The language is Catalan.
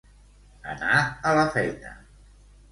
Anar a la feina.